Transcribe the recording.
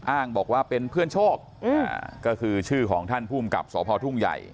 อ้างบอกว่าเป็นเพื่อนโชคก็คือชื่อของท่านภูมิกับสพทุ่งใหญ่